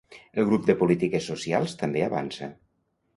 El grup de polítiques socials també avança.